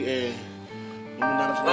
eh memendam diri sendiri